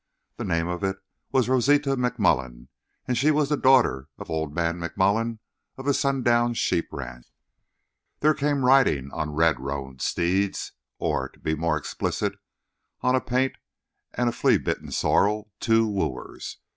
The name of it was Rosita McMullen; and she was the daughter of old man McMullen of the Sundown Sheep Ranch. There came riding on red roan steeds—or, to be more explicit, on a paint and a flea bitten sorrel—two wooers.